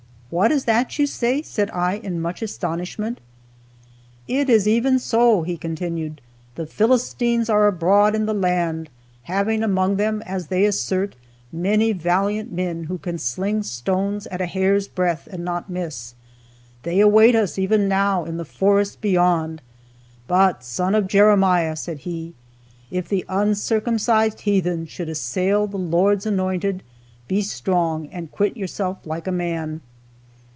What is that you say?" said I, in much astonishment. "It is even so," he continued; "the Philistines are abroad in the land, having among them, as they assert, many valiant men who can sling stones at a hair's breadth and not miss. They await us, even now, in the forest beyond. But, Son of Jeremiah," said he, "if the uncircumcised heathen should assail the Lord's anointed, be strong, and quit yourself like a man!"